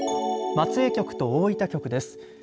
松江局と大分局です。